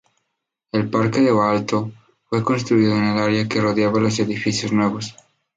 El parque de Aalto fue construido en el área que rodeaba los edificios nuevos.